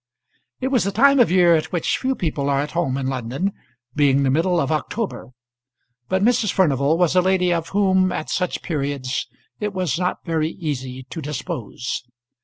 It was the time of year at which few people are at home in London, being the middle of October; but Mrs. Furnival was a lady of whom at such periods it was not very easy to dispose.